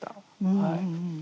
はい。